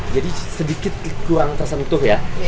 jadi sedikit kurang tersentuh ya